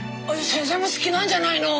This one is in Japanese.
先生も好きなんじゃないの？